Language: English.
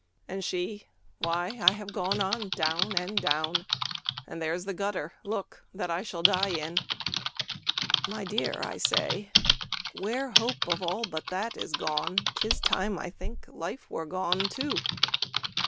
And she—"Why, I have gone on down and down, And there's the gutter, look, that I shall die in!" "My dear," I say, "where hope of all but that Is gone, 'tis time, I think, life were gone too."